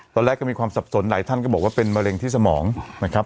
ตอนแรกก็มีความสับสนหลายท่านก็บอกว่าเป็นมะเร็งที่สมองนะครับ